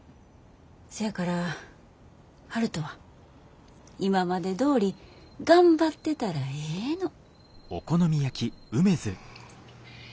せやから悠人は今までどおり頑張ってたらええの。